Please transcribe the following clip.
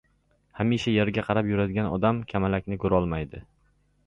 Hamisha yerga qarab yuradigan odam kamalakni ko‘rolmaydi.